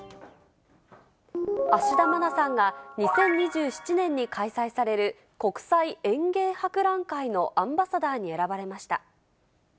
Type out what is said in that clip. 芦田愛菜さんが、２０２７年に開催される国際園芸博覧会のアンバサダーに選ばれました。